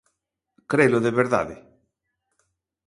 Crelo de verdade.